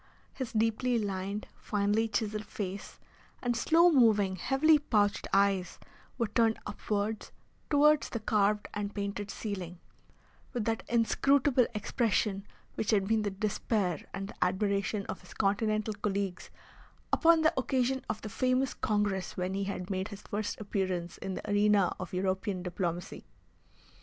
His deeply lined, finely chiselled face and slow moving, heavily pouched eyes were turned upwards towards the carved and painted ceiling, with that inscrutable expression which had been the despair and the admiration of his Continental colleagues upon the occasion of the famous Congress when he had made his first appearance in the arena of European diplomacy.